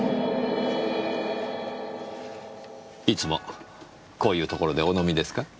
いつもこういうところでお飲みですか？